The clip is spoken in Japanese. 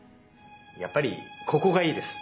やっぱりここがいいです。